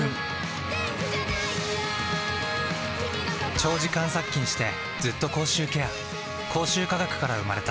長時間殺菌してずっと口臭ケア口臭科学から生まれた